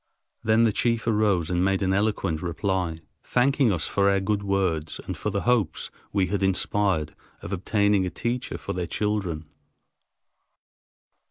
Then the chief arose and made an eloquent reply, thanking us for our good words and for the hopes we had inspired of obtaining a teacher for their children.